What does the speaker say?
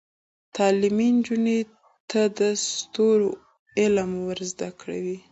تعلیم نجونو ته د ستورو علم ور زده کوي.